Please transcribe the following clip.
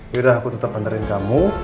yaudah aku tetep nantarin kamu